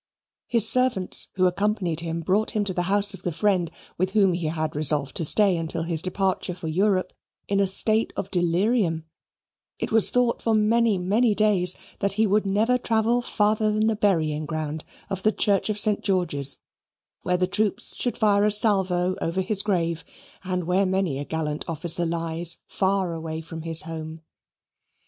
His servants who accompanied him brought him to the house of the friend with whom he had resolved to stay until his departure for Europe in a state of delirium; and it was thought for many, many days that he would never travel farther than the burying ground of the church of St. George's, where the troops should fire a salvo over his grave, and where many a gallant officer lies far away from his home.